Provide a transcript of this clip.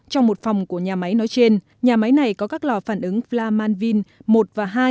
trong một phòng của nhà máy nói trên nhà máy này có các lò phản ứng plamanvin một và hai